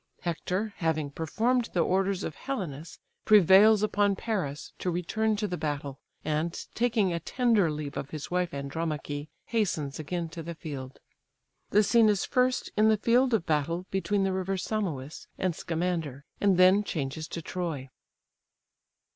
Hector, having performed the orders of Helenus, prevails upon Paris to return to the battle, and, taking a tender leave of his wife Andromache, hastens again to the field. The scene is first in the field of battle, between the rivers Simois and Scamander, and then changes to Troy.